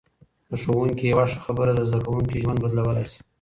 د ښوونکي یوه ښه خبره د زده کوونکي ژوند بدلولای شي.